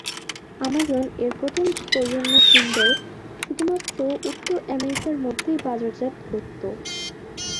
Amazon এর প্রথম প্রজন্মের কিন্ডল শুধুমাত্র উত্তর আমেরিকার মধ্যেই বাজারজাত করতো।